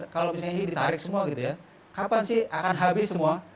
kalau misalnya ini ditarik semua gitu ya kapan sih akan habis semua